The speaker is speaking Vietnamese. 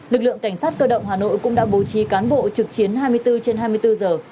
lực lượng cảnh sát cơ động hà nội cũng đã bố trí cán bộ trực chiến hai mươi bốn trên hai mươi bốn giờ